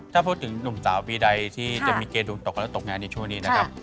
ถ้าพูดถึงหนุ่มสาวปีใดที่จะมีเกณฑ์ดวงตกและตกงานในช่วงนี้นะครับ